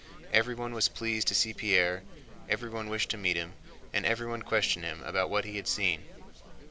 Everyone was pleased to see Pierre, everyone wished to meet him, and everyone questioned him about what he had seen.